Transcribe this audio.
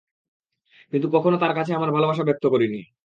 কিন্তু কখনো তার কাছে আমার ভালোবাসা ব্যক্ত করিনি।